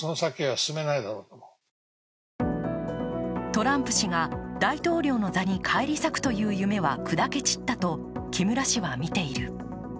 トランプ氏が大統領の座に返り咲くという夢は砕け散ったと木村氏はみている。